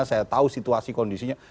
saya tahu situasi kondisinya